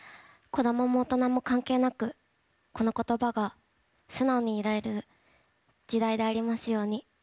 子どもも大人も関係なく、このことばが素直に言える時代でありますように。